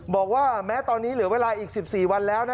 บอกว่าแม้ตอนนี้เหลือเวลาอีก๑๔วันแล้วนะ